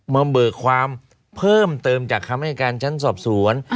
มาเบิกความเพิ่มเติมจากคำให้การชั้นสอบสวน